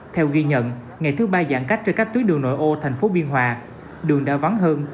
theo ghi nhận ngày thứ ba giãn cách trên các tuyến đường nội ô thành phố biên hòa đường đã vắng hơn